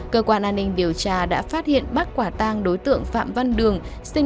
cơ quan an ninh điều tra đã phát hiện bắt quả tang đối tượng phạm văn đường